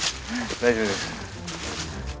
大丈夫です。